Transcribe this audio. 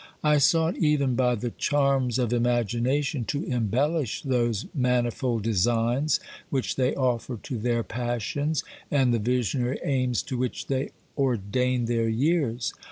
I sought even, by the charms of imagination, to embellish those mani fold designs which they offer to their passions, and the visionary aims to which they ordain their years.